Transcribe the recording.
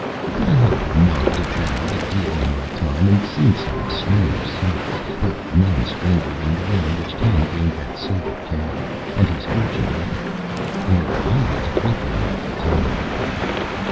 I have knocked about a deal in my time, and seen some strange sights, but none stranger than the way in which Tom gained that sobriquet, and his fortune with it. For I was with him at the time.